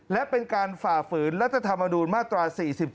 และเป็นการฝ่าฝืนรัฐธรรมนูญมาตรา๔๔